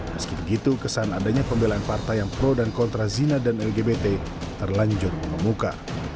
meski begitu kesan adanya pembelaan partai yang pro dan kontra zina dan lgbt terlanjur mengemuka